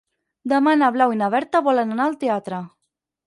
Demà na Blau i na Berta volen anar al teatre.